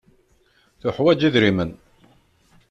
Tuḥwaǧ idrimen.